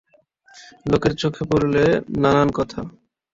লোকের চোখে পড়লে নানান কথা।